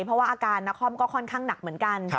เพราะว่าอาการนครก็ค่อนข้างหนักเหมือนกัน